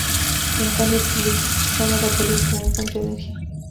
En cambio, utilizaba baterías como fuente de energía.